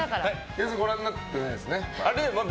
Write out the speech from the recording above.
岩井さんご覧になってないですね。